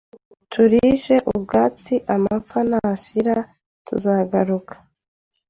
turishe ubwatsi Amapfa nashira, tuzagaruka.